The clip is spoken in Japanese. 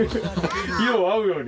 色を合うように？